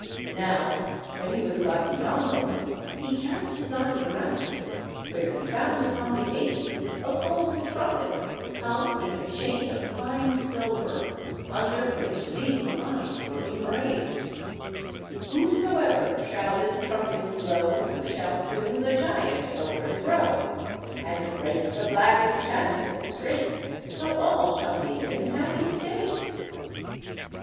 Now, when he was got beyond them, he cast his eyes around him, where he found upon the gates a golden trumpet, hung in a chain of fine silver, under which these lines were engraved— "Whosoever shall this trumpet blow Shall soon the giant overthrow, And break the black enchantment straight, So all shall be in happy state."